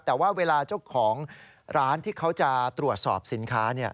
แต่ว่าเวลาเจ้าของร้านที่เขาจะตรวจสอบสินค้า